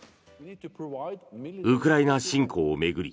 ウクライナ侵攻を巡り